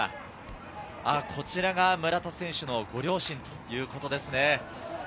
こちらが村田選手のご両親ということですね。